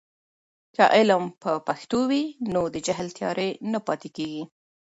که علم په پښتو وي، نو د جهل تیارې نه پاتې کیږي.